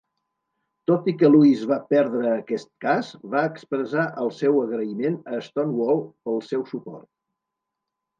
Tot i que Lewis va perdre aquest cas, va expressar el seu agraïment a Stonewall pel seu suport.